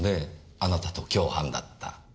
あなたと共犯だった。